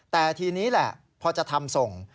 แต่ทีนี้แหละพอจะทำส่ง